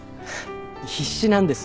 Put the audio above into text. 必死なんです。